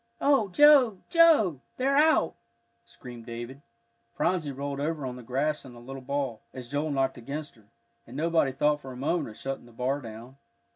"Oh, Joe, Joe! they're out!" screamed David. Phronsie rolled over on the grass in a little ball, as Joel knocked against her, and nobody thought for a moment of shutting the bar down.